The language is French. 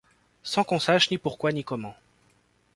sans qu'on sache ni pourquoi ni comment.